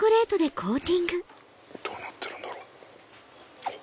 どうなってるんだろう？